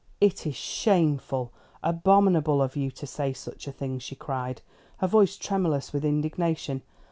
"It is shameful, abominable of you to say such a thing!" she cried, her voice tremulous with indignation.